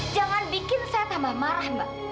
jangan bikin saya tambah marah mbak